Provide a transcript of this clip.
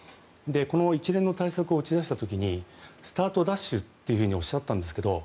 一連の対策を打ち出した時にスタートダッシュとおっしゃったんですけど